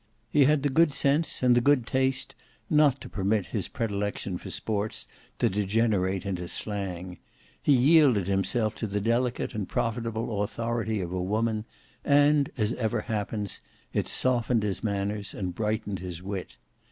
He had the good sense and the good taste not to permit his predilection for sports to degenerate into slang; he yielded himself to the delicate and profitable authority of woman, and, as ever happens, it softened his manners and brightened his wit.